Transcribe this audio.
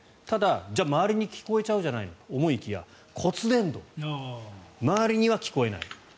ただ、周りに聞こえちゃうんじゃないかと思いきや骨伝導、周りには聞こえないと。